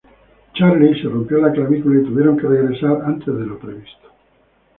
Charley se rompió la clavícula y tuvieron que regresar antes de lo previsto.